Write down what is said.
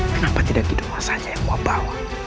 kenapa tidak kedomas saja wak bawa